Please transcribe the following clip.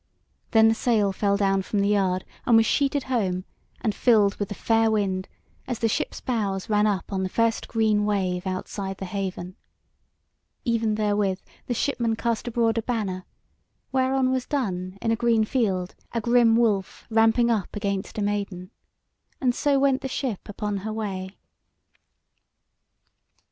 Then the sail fell down from the yard and was sheeted home and filled with the fair wind as the ship's bows ran up on the first green wave outside the haven. Even therewith the shipmen cast abroad a banner, whereon was done in a green field a grim wolf ramping up against a maiden, and so went the ship upon her way.